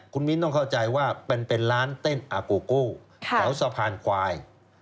คุณมิ้นต้องเข้าใจว่าเป็นร้านเต้นอาโกโก้แถวสะพานควาย